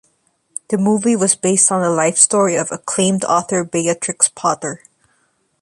The movie was based on the life story of acclaimed author Beatrix Potter.